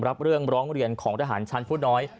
รับเรื่องร้องเรียนของทหารชั้นผู้น้อย